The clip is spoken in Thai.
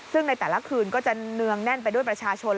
ซึ่งในแต่ละคืนก็จะเนืองแน่นไปด้วยประชาชน